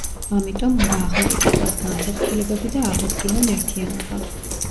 ამიტომ უნდა აღმოიფხვრას განხეთქილებები და აღადგინონ ერთიანობა.